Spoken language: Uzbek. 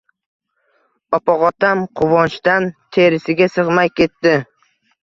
Opog‘otam quvonchdan terisiga sig‘may ketdi: